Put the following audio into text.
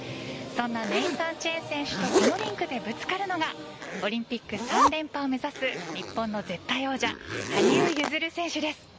そんなネイサン・チェン選手とこのリンクでぶつかるのはオリンピック３連覇を目指す日本の絶対王者羽生結弦選手です。